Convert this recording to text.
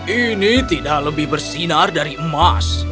ini tidak lebih bersinar dari emas